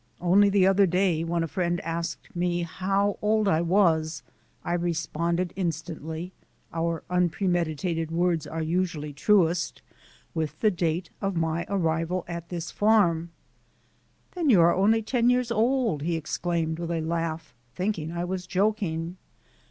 Only the other day, when a friend asked me how old I was, I responded instantly our unpremeditated words are usually truest with the date of my arrival at this farm. "Then you are only ten years old!" he exclaimed with a laugh, thinking I was joking.